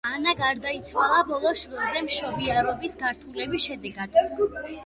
ანა გარდაიცვალა ბოლო შვილზე მშობიარობის გართულების შედეგად.